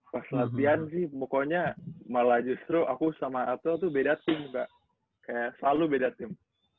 pas latihan sih pokoknya malah justru aku sama ato tuh beda tim mbak kayak selalu beda tim